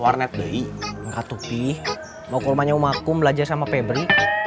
warnet bay gak tupih mau kulmanya um akum belajar sama febri